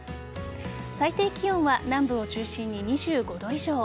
最低気温は南部を中心に２５度以上。